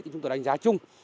chúng tôi đánh giá chung